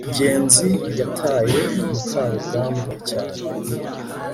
ngenzi yataye mukarugambwa cyane